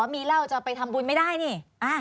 มีเหล้าจะไปทำบุญไม่ได้นี่